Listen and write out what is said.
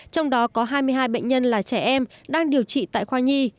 trong đó có hai mươi hai bệnh nhân là trẻ em đang điều trị tại khoa nhi